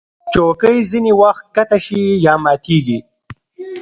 چوکۍ ځینې وخت ښکته شي یا ماتېږي.